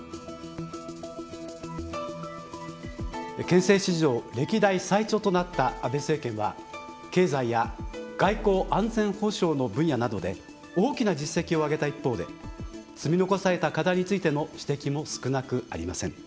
憲政史上歴代最長となった安倍政権は経済や外交安全保障の分野などで大きな実績を上げた一方で積み残された課題についての指摘も少なくありません。